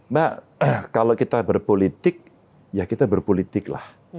mbak kalau kita berpolitik ya kita berpolitik lah